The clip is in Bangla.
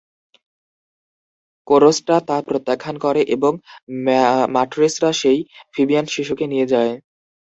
কোরসটা তা প্রত্যাখ্যান করে এবং মাট্রিসরা সেই ফিবিয়ান শিশুকে নিয়ে যায়।